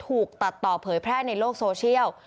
ถูกตัดต่อเผยแพร่ในโลกโซเชียล